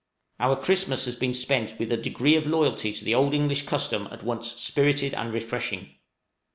Our Christmas has been spent with a degree of loyalty to the good old English custom at once spirited and refreshing.